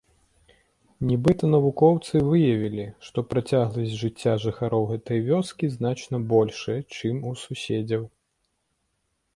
Нібыта, навукоўцы выявілі, што працягласць жыцця жыхароў гэтай вёскі значна большая, чым у суседзяў.